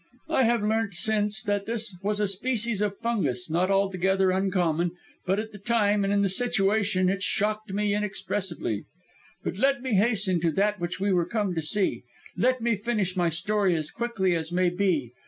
I have learnt since that this was a species of fungus, not altogether uncommon, but at the time, and in that situation, it shocked me inexpressibly. "But let me hasten to that which we were come to see let me finish my story as quickly as may be.